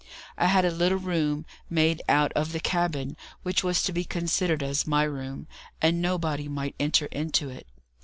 I had a little room made out of the cabin, which was to be considered as my room, and nobody might enter into it.